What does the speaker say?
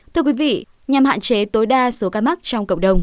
thưa quý vị nhằm hạn chế tối đa số ca mắc trong cộng đồng